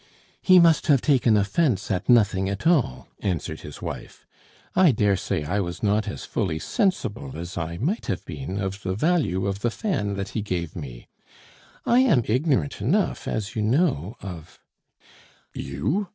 "He must have taken offence at nothing at all," answered his wife. "I dare say I was not as fully sensible as I might have been of the value of the fan that he gave me. I am ignorant enough, as you know, of " "_You!